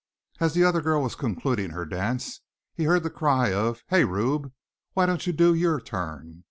As the other girl was concluding her dance he heard the cry of "Hey, Rube! Why don't you do your turn?"